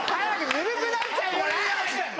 ぬるくなっちゃうから！